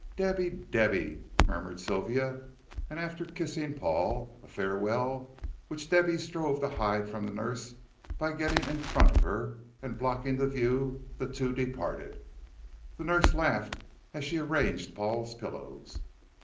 "Debby, Debby," murmured Sylvia, and after kissing Paul, a farewell which Debby strove to hide from the nurse by getting in front of her and blocking the view, the two departed. The nurse laughed as she arranged Paul's pillows.